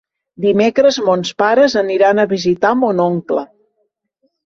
Dimecres mons pares aniran a visitar mon oncle.